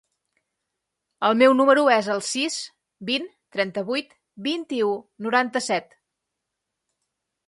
El meu número es el sis, vint, trenta-vuit, vint-i-u, noranta-set.